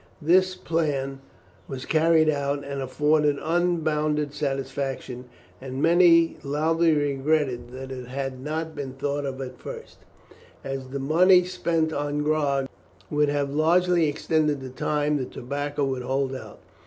This plan was carried out, and afforded unbounded satisfaction, and many loudly regretted that it had not been thought of at first, as the money spent on grog would have largely extended the time the tobacco would hold out.